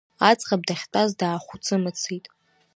Аӡӷаб дахьтәаз дааҳәыцы-мыцит.